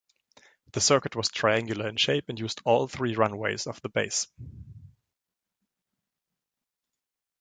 The circuit was triangular in shape, and used all three runways of the base.